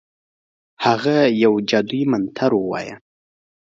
هغه یو جادویي منتر ووایه.